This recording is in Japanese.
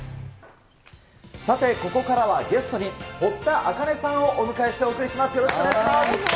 さて、ここからはゲストに、堀田茜さんをお迎えしてお送りします。